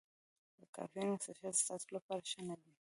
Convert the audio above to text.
د کافینو څښل ستاسو لپاره ښه نه دي.